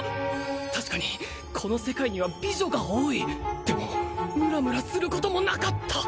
確かにこの世界には美女が多いでもムラムラすることもなかった